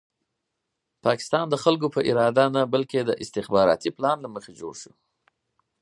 پاکستان د خلکو په اراده نه بلکې د استخباراتي پلان له مخې جوړ شو.